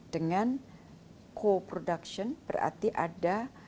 dengan co production berarti ada